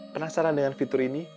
penasaran dengan fitur ini